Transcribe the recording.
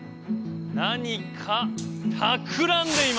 何かたくらんでいます！